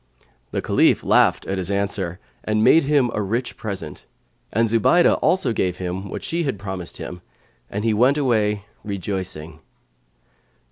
The Caliph laughed at his answer[FN#122] and made him a rich present; and Zubaydah also gave him what she had promised him, and he went away, rejoicing.